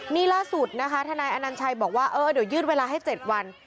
นี่ล่าสุดนะคะทนายอนัญชัยบอกว่าเออเดี๋ยวยืดเวลาให้๗วัน